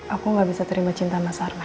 aku gak bisa terima cinta mas arna